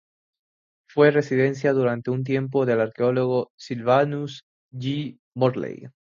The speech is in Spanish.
Fue residencia durante un tiempo del arqueólogo Sylvanus G. Morley.